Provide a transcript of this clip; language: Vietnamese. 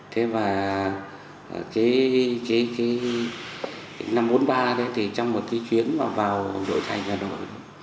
thế và cái năm bốn mươi ba đấy thì trong một cái chuyến vào đội thành hà nội